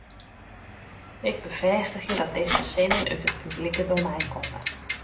Ik befêstigje dat dizze sinnen út it publike domein komme.